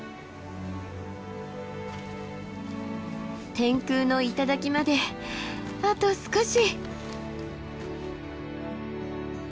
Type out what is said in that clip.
天空の頂まであと少し。